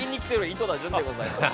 井戸田潤でございます。